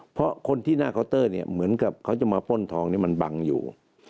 เพราะคนที่หน้าเคาน์เตอร์เนี่ยเหมือนกับเขาจะมาป้นทองที่มันบังอยู่